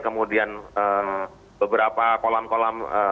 kemudian beberapa kolam kolam